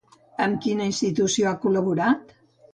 Amb quina institució ha col·laborat?